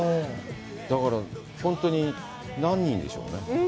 だから、本当に何人でしょうね？